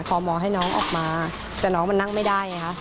หมอให้น้องออกมาแต่น้องมันนั่งไม่ได้ไงคะ